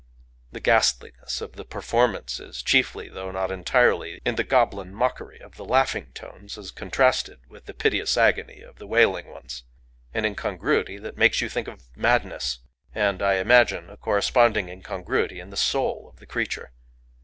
The ghastliness of the performance is chiefly—though not entirely—in the goblin mockery of the laughing tones as contrasted with the piteous agony of the wailing ones: an incongruity that makes you think of madness. And I imagine a corresponding incongruity in the soul of the creature.